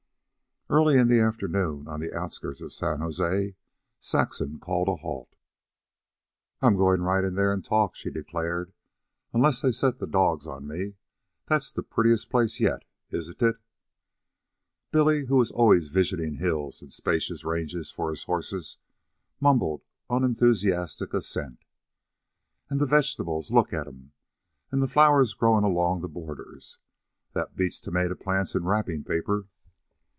Early in the afternoon, on the outskirts of San Jose, Saxon called a halt. "I'm going right in there and talk," she declared, "unless they set the dogs on me. That's the prettiest place yet, isn't it?" Billy, who was always visioning hills and spacious ranges for his horses, mumbled unenthusiastic assent. "And the vegetables! Look at them! And the flowers growing along the borders! That beats tomato plants in wrapping paper."